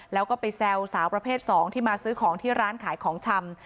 แล้วก็ไปแซวสาวประเภท๒ที่มาซื้อของที่ร้านขายของชำ